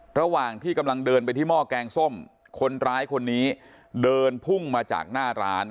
ระหว่างที่กำลังเดินไปที่หม้อแกงส้มคนร้ายคนนี้เดินพุ่งมาจากหน้าร้าน